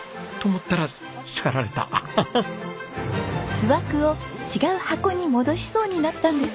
巣枠を違う箱に戻しそうになったんです。